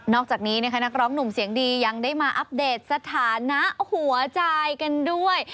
อกจากนี้นะคะนักร้องหนุ่มเสียงดียังได้มาอัปเดตสถานะหัวใจกันด้วย